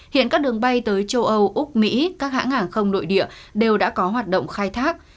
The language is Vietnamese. hiện các đường bay tới châu âu úc mỹ các hãng hàng không nội địa đều đã có hoạt động khai thác